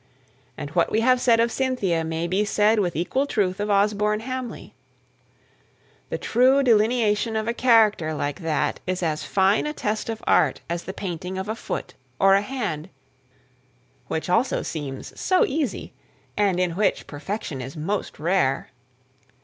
And what we have said of Cynthia may be said with equal truth of Osborne Hamley. The true delineation of a character like that is as fine a test of art as the painting of a foot or a hand, which also seems so easy, and in which perfection is most rare.